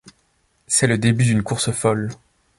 C'est le début d'une course folle.